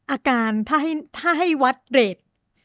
อาการถ้าให้วัดเรท